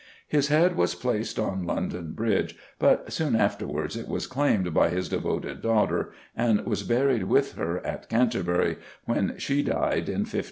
His head was placed on London Bridge, but soon afterwards it was claimed by his devoted daughter and was buried with her at Canterbury when she died, in 1544.